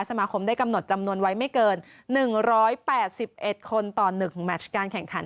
สมาคมได้กำหนดจำนวนไว้ไม่เกิน๑๘๑คนต่อ๑แมชการแข่งขัน